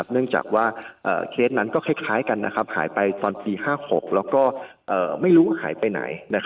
เนื่องจากว่าเคสนั้นก็คล้ายกันหายไปตอนปี๕๖แล้วก็ไม่รู้ว่าหายไปไหน